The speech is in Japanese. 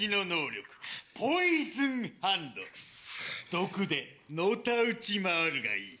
毒でのたうち回るがいい。